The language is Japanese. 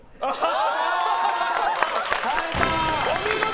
お見事！